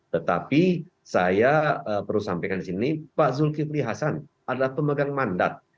tetapi saya perlu sampaikan di sini pak zulkifli hasan adalah pemegang mandat